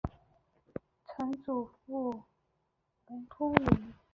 曾祖父胡通礼。